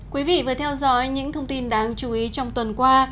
quý vị vừa theo dõi những thông tin đáng chú ý trong tuần qua